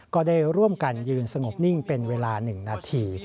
ก็ได้ร่วมกันยืนสงบนิ่งเป็นเวลา๑นาที